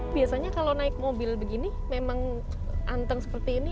biasanya kalau naik mobil begini memang anteng seperti ini